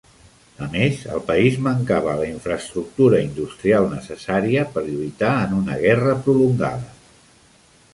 A més, el país mancava la infraestructura industrial necessària per lluitar en una guerra prolongada.